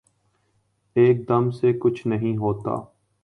ایک دم سے کچھ نہیں ہوتا